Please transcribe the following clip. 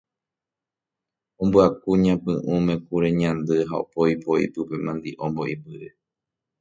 Ombyaku ñapy'ῦme kure ñandy ha opoipoi pype mandi'o mbo'ipyre.